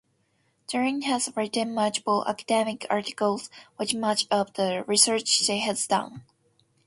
Darling has written multiple academic articles with much of the research she has done.